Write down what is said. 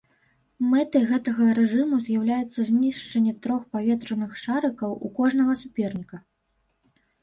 Мэтай гэтага рэжыму з'яўляецца знішчэнне трох паветраных шарыкаў у кожнага суперніка.